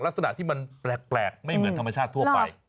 ลักษณะที่มันแปลกไม่เหมือนธรรมชาติทั่วไป